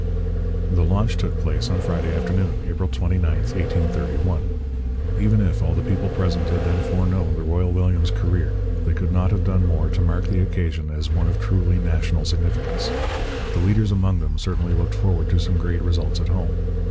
The launch took place on Friday afternoon, April 29, 1831. Even if all the people present had then foreknown the Royal William's career they could not have done more to mark the occasion as one of truly national significance. The leaders among them certainly looked forward to some great results at home.